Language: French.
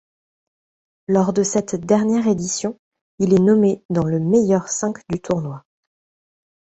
Lors de cette dernière édition, il est nommé dans le meilleur cinq du tournoi.